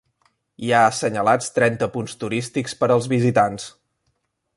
Hi ha assenyalats trenta punts turístics per als visitants.